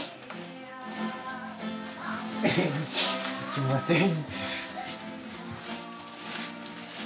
すみません。